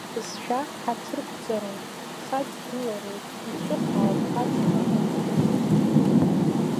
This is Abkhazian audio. Уи абызшәа ҳаҭырқәҵароуп, хаҵгылароуп, иҿыхаауп, ацха агәылжжуеит.